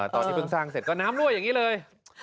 ตอนที่เพิ่งสร้างเสร็จก็น้ำรั่วอย่างนี้เลย